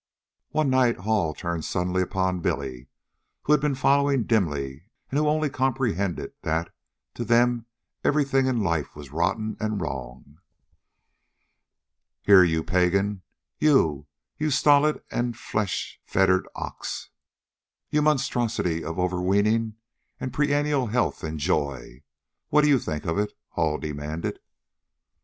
One night Hall turned suddenly upon Billy, who had been following dimly and who only comprehended that to them everything in life was rotten and wrong. "Here, you pagan, you, you stolid and flesh fettered ox, you monstrosity of over weening and perennial health and joy, what do you think of it?" Hall demanded.